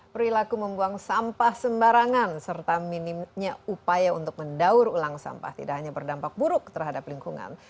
perilaku membuang sampah sembarangan serta minimnya upaya untuk mendaur ulang sampah tidak hanya berdampak buruk terhadap lingkungan